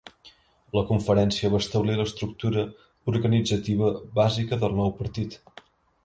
La conferència va establir l’estructura organitzativa bàsica del nou partit.